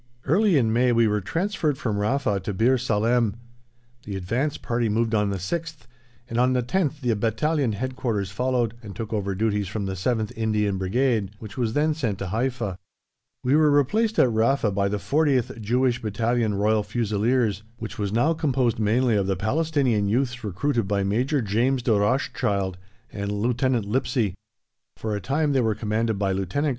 Early in May we were transferred from Rafa to Bir Salem. The advance party moved on the 6th, and on the 10th the Battalion Headquarters followed, and took over duties from the 7th Indian Infantry Brigade, which was then sent to Haifa. We were replaced at Rafa by the 40th (Jewish) Battalion Royal Fusiliers, which was now composed mainly of the Palestinian youths recruited by Major James de Rothschild and Lieutenant Lipsey. For a time they were commanded by Lieut.